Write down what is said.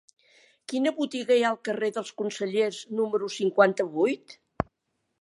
Quina botiga hi ha al carrer dels Consellers número cinquanta-vuit?